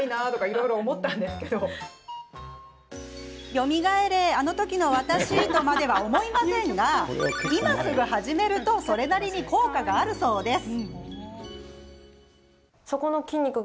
「よみがえれ、あの時の私！」とまではいきませんが今すぐ始めるとそれなりに効果があるそうです。